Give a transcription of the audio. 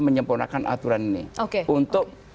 menyempurnakan aturan ini untuk